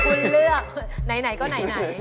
คุณเลือกไหนก็ไหน